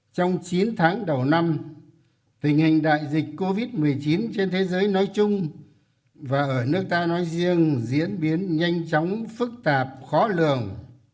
trong chín tháng đầu năm tình hình đại dịch covid một mươi chín trên thế giới nói chung và ở nước ta nói riêng diễn biến nhanh chóng phức tạp khó lường